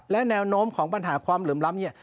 และแนวโน้มของปัญหาความเหลื่อมล้ำเนี่ย